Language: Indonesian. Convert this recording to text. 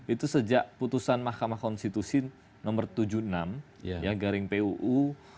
itu sejak putusan mahkamah konstitusi nomor tujuh puluh enam garing puu tujuh dua ribu empat belas